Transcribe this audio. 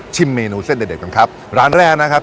ชิมเมนูเส้นเด็ดเด็ดก่อนครับร้านแรกนะครับ